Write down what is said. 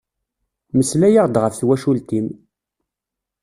Melslay-aɣ-d ɣef twacult-im!